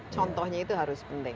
contohnya itu harus penting